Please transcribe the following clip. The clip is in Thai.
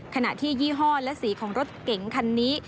ขณะที่ยี่ห้อและสีของรถเก๋งคันนี้